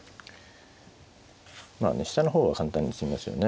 まあね下の方が簡単に詰みますよね。